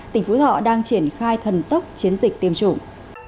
tỉnh phú thọ đang triển khai thần tốc chiến dịch tiêm chủng